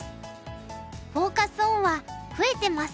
フォーカス・オンは「増えてます！